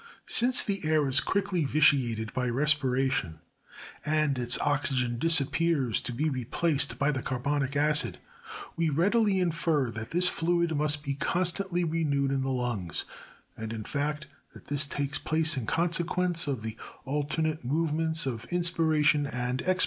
32. Since the air is quickly vitiated by respiration, and its oxy gen disappears to be replaced by the carbonic acid, we readily infer, that this fluid must be constantly renewed in the lungs, and in fact that this takes place in consequence of the alternate movements of inspiration and expiration.